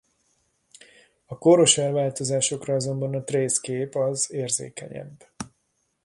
A kóros elváltozásokra azonban a trace-kép az érzékenyebb.